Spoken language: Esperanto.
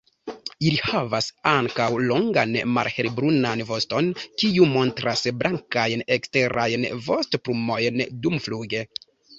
Ili havas ankaŭ longan malhelbrunan voston kiu montras blankajn eksterajn vostoplumojn dumfluge.